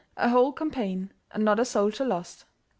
A whole campaign and not a soldier lost!